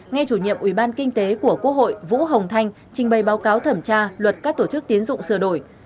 nghe chủ nhiệm ủy ban kinh tế của quốc hội vũ hồng thanh trình bày báo cáo thẩm tra luật các tổ chức tiến dụng sửa đổi